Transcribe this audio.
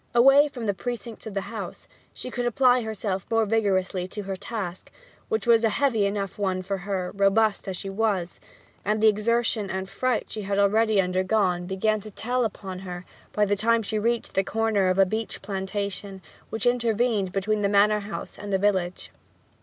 Away from the precincts of the house she could apply herself more vigorously to her task, which was a heavy one enough for her, robust as she was; and the exertion and fright she had already undergone began to tell upon her by the time she reached the corner of a beech plantation which intervened between the manor house and the village.